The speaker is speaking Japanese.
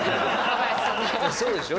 そうでしょ？